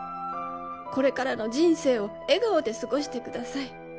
「これからの人生を笑顔で過ごしてください」